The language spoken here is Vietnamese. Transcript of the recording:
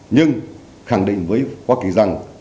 nhưng khẳng định với hoa kỳ rằng